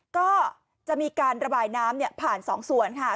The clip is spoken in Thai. ก็จะมีการระบายน้ำผ่าน๒ส่วนค่ะ